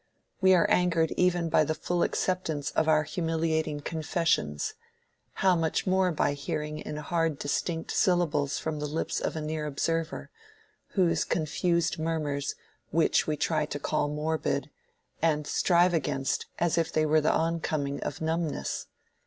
We are angered even by the full acceptance of our humiliating confessions—how much more by hearing in hard distinct syllables from the lips of a near observer, those confused murmurs which we try to call morbid, and strive against as if they were the oncoming of numbness!